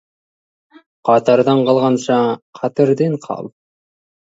Қатардан қалғанша, қатерден қал.